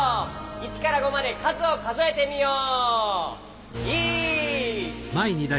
１から５までかずをかぞえてみよう。